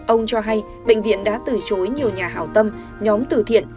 ông cho hay bệnh viện đã từ chối nhiều nhà hảo tâm nhóm từ thiện